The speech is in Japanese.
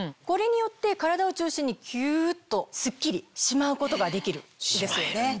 これによって体を中心にキュっとスッキリしまうことができるんですよね。